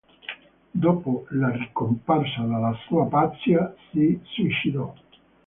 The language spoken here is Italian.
Dopo la ricomparsa della sua pazzia, si suicidò.